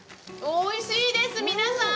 おいしいです、皆さん。